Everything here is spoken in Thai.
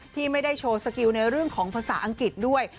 ที่ไม่ได้โชว์สกิลในเรื่องของภาษาอังกฤษด้วย